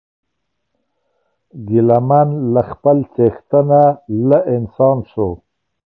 ګیله من له خپل څښتنه له انسان سو